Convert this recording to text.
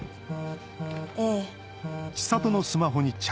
ええ。